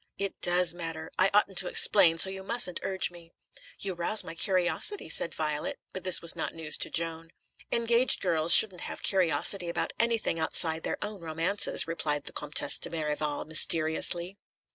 "It does matter. I oughtn't to explain, so you mustn't urge me." "You rouse my curiosity," said Violet; but this was not news to Joan. "Engaged girls shouldn't have curiosity about anything outside their own romances," replied the Comtesse de Merival mysteriously.